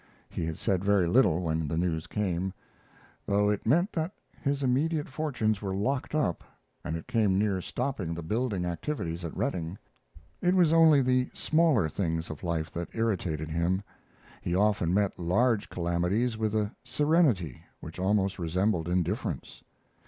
He had said very little when the news came, though it meant that his immediate fortunes were locked up, and it came near stopping the building activities at Redding. It was only the smaller things of life that irritated him. He often met large calamities with a serenity which almost resembled indifference.